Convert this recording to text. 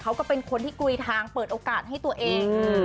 เขาก็เป็นคนที่กุยทางเปิดโอกาสให้ตัวเอง